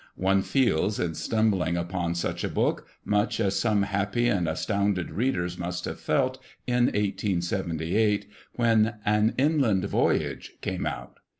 One feels, in stumbling upon such a book, much as some happy and astounded readers must have felt in 1878 when An Inland Voyage came out.